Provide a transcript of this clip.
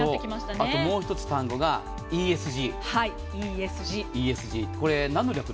あともう１つ、単語がＥＳＧ。